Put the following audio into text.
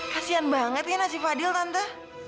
kasian banget ya nasib adil tante